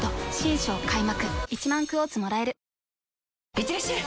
いってらっしゃい！